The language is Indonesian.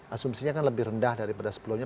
asumsinya kan lebih rendah daripada sebelumnya